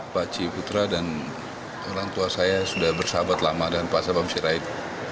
pak ciputra dan orang tua saya sudah bersahabat lama dengan pak sabang sirait